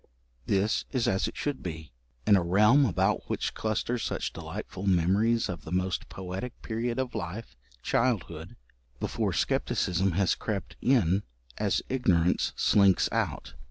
This is as it should be, in a realm about which cluster such delightful memories of the most poetic period of life childhood, before scepticism has crept in as ignorance slinks out.